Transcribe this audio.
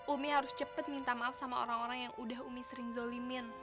umi harus cepat minta maaf sama orang orang yang udah umi sering zolimin